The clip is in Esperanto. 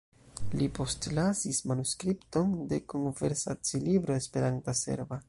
Li postlasis manuskripton de konversaci-libro Esperanta-serba.